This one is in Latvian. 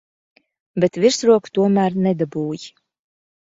Bet virsroku tomēr nedabūji.